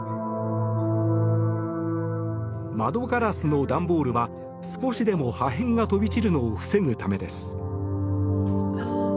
窓ガラスの段ボールは少しでも破片が飛び散るのを防ぐためです。